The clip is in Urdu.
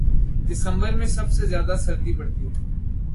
دسمبر میں سب سے زیادہ سردی پڑتی